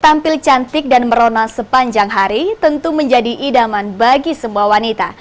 tampil cantik dan merona sepanjang hari tentu menjadi idaman bagi semua wanita